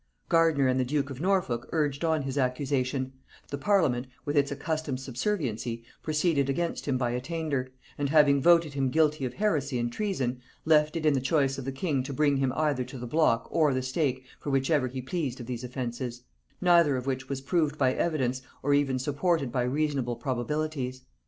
Gardiner and the duke of Norfolk urged on his accusation; the parliament, with its accustomed subserviency, proceeded against him by attainder; and having voted him guilty of heresy and treason, left it in the choice of the king to bring him either to the block or the stake for whichever he pleased of these offences; neither of which was proved by evidence, or even supported by reasonable probabilities.